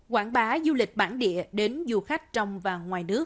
quảng bá du lịch bản địa đến du khách trong và ngoài nước